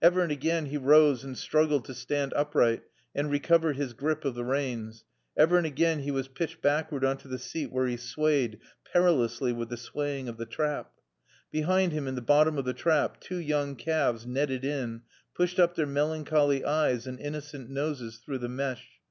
Ever and again he rose and struggled to stand upright and recover his grip of the reins. Ever and again he was pitched backward on to the seat where he swayed, perilously, with the swaying of the trap. Behind him, in the bottom of the trap, two young calves, netted in, pushed up their melancholy eyes and innocent noses through the mesh.